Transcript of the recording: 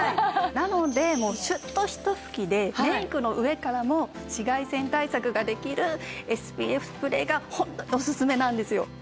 なのでシュッとひと吹きでメイクの上からも紫外線対策ができるＳＰＦスプレーがホントにオススメなんですよ。